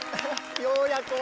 ようやく。